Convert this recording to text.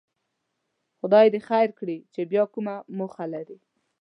خدای دې خیر کړي چې بیا کومه موخه لري.